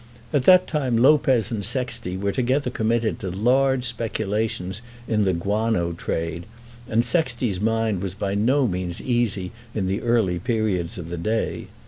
At that time Lopez and Sexty were together committed to large speculations in the guano trade, and Sexty's mind was by no means easy in the early periods of the day.